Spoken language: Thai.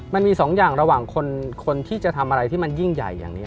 มันมีสองอย่างระหว่างคนที่จะทำอะไรที่มันยิ่งใหญ่อย่างนี้